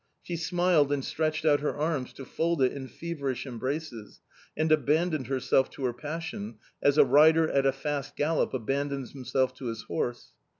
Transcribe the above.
She smiled and stretched out her arms to fold it in feverish embraces, and abandoned herself to her passion as a rider at a fast gallop abandons himself to his horse.